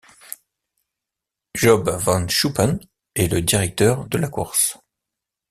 Job van Schuppen est le directeur de la course.